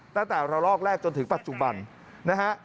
ตั้งแต่ระลอกแรกจนถึงปัจจุบันนะฮะ